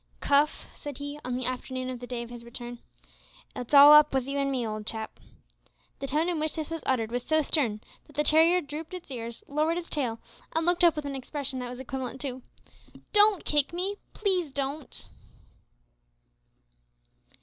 "Cuff," said he, on the afternoon of the day of his return, "it's all up with you and me, old chap." The tone in which this was uttered was so stern that the terrier drooped its ears, lowered its tail, and looked up with an expression that was equivalent to "Don't kick me, please don't!"